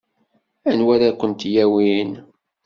Anwa ara kent-yawin?